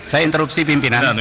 saya interupsi pimpinan